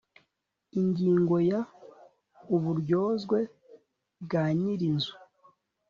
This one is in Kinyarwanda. Ingingo ya Uburyozwe bwa nyirinzu